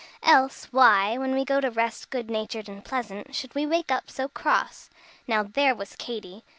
Else, why, when we go to rest good natured and pleasant, should we wake up so cross? Now there was Katy.